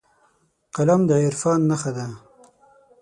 قلم د عرفان نښه ده